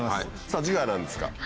次回は何ですか？